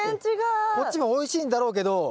こっちもおいしいんだろうけど。